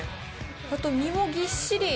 あと、身もぎっしり。